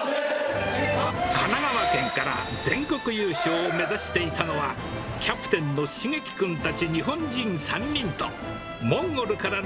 神奈川県から全国優勝を目指していたのは、キャプテンのしげき君たち日本人３人と、モンゴル合格！